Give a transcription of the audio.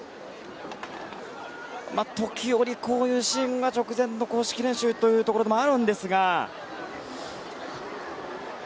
時折、こういうシーンが直前の公式練習というところではあるんですが。